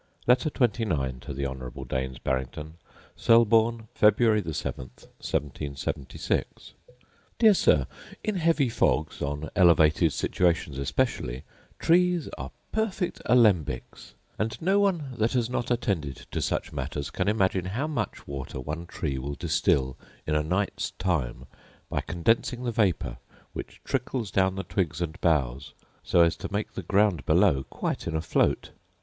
Letter XXIX To The Honourable Daines Barrington Selborne, Feb. 7, 1776. Dear Sir, In heavy fogs, on elevated situations especially, trees are perfect alembics: and no one that has not attended to such matters can imagine how much water one tree will distil in a night's time by condensing the vapour, which trickles down the twigs and boughs, so as to make the ground below quite in a float.